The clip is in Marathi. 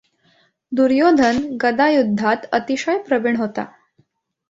दुर्योधन गदायुद्धात अतिशय प्रवीण होता.